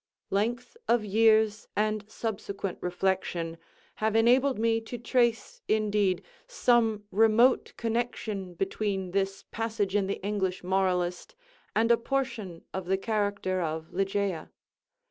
Length of years, and subsequent reflection, have enabled me to trace, indeed, some remote connection between this passage in the English moralist and a portion of the character of Ligeia.